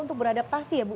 untuk beradaptasi ya bu